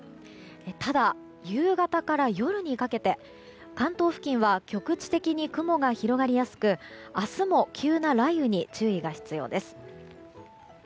ただ、夕方から夜にかけて関東付近は局地的に雲が広がりやすく明日も急な雷雨に注意が必要です。